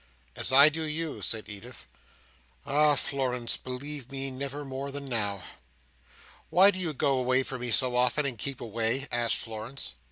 "As I do you," said Edith. "Ah, Florence, believe me never more than now!" "Why do you go away from me so often, and keep away?" asked Florence.